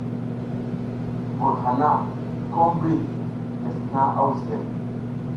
Mbur hana ko mbri lesl naƞ a wus le.